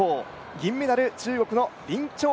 銀メダル、中国の林超攀。